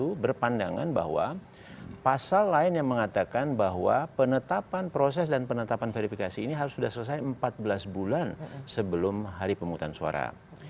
itu berpandangan bahwa pasal lain yang mengatakan bahwa penetapan proses dan penetapan verifikasi ini harus sudah selesai empat belas bulan sebelum hari pemutusan suara